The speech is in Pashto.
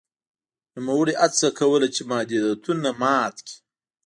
نوموړي هڅه کوله چې محدودیتونه مات کړي.